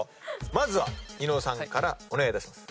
まずは伊野尾さんからお願いいたします。